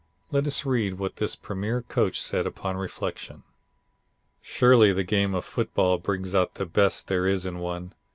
Let us read what this premier coach says upon reflection: "Surely the game of football brings out the best there is in one.